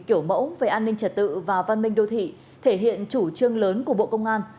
kiểu mẫu về an ninh trật tự và văn minh đô thị thể hiện chủ trương lớn của bộ công an